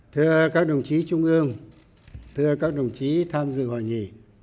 thưa các đồng chí trung ương thưa các đồng chí tham dự hội nghị